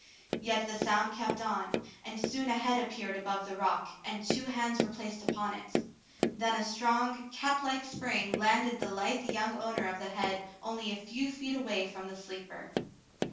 Yet the sound kept on, and soon a head appeared above the rock, and two hands were placed upon it ; then a strong, catlike spring landed the lithe young owner of the head only a few feet away from the sleeper.